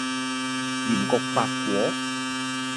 鹽焗白果